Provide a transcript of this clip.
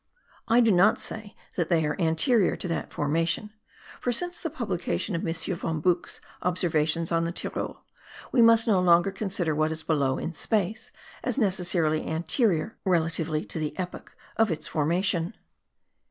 I do not say that they are anterior to that formation, for since the publication of M. von Buch's observations on the Tyrol, we must no longer consider what is below, in space, as necessarily anterior, relatively to the epoch of its formation.